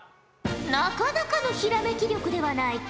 なかなかのひらめき力ではないか。